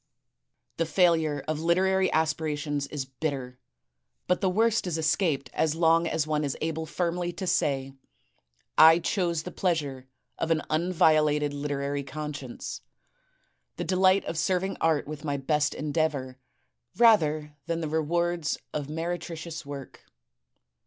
The failure of literary aspirations is bitter, but the worst is escaped as long as one is able firmly to say: *I chose the pleasure of an unviolated literary conscience, the delight of serving art with my best endeavor, rather than the rewards of meretricious work.